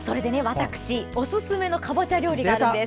私、おすすめのかぼちゃ料理あるんです。